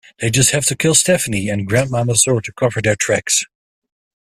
They just have to kill Stephanie and Grandma Mazur to cover their tracks.